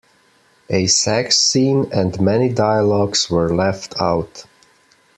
A sex scene and many dialogues were left out.